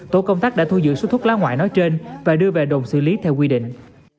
tổ công tác đã thu giữ số thuốc lá ngoại nói trên và đưa về đồn xử lý theo quy định